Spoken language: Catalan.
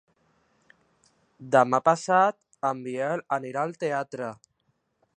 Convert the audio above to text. Demà passat en Biel anirà al teatre.